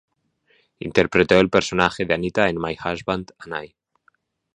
Interpretó el personaje de Anita en "My Husband and I".